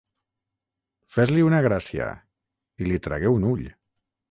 Fes-li una gràcia! I li tragué un ull.